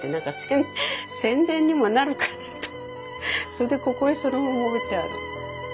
それでここへそのまま置いてある。